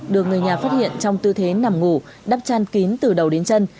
được người nhà phát hiện trong tư thế nằm ngủ đắp chăn kín từ đầu đến chân